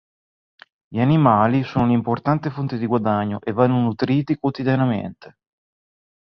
Gli animali sono un'importante fonte di guadagno e vanno nutriti quotidianamente.